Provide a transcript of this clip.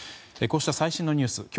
こうした最新のニュース